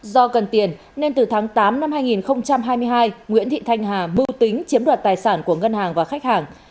do cần tiền nên từ tháng tám năm hai nghìn hai mươi hai nguyễn thị thanh hà mưu tính chiếm đoạt tài sản của ngân hàng và khách hàng